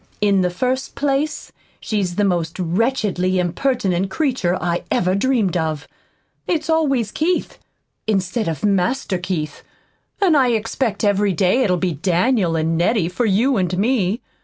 "In the first place, she's the most wretchedly impertinent creature I ever dreamed of. It's always 'Keith' instead of 'Master Keith,' and I expect every day it'll be 'Daniel' and 'Nettie' for you and me.